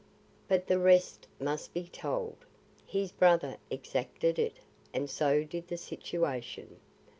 But the rest must be told; his brother exacted it and so did the situation.